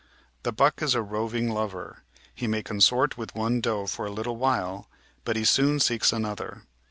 The buck is a roving lover ; he may consort with one doe for a little while, but he soon seeks another.